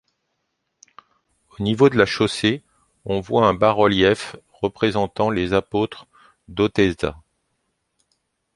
Au niveau de la chaussée on voit un bas-relief représentant les apôtres d'Oteiza.